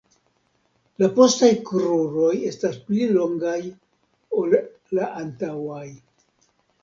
La postaj kruroj estas pli longaj ol la antaŭaj.